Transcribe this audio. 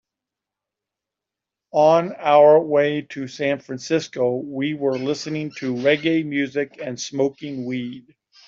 On our way to San Francisco, we were listening to reggae music and smoking weed.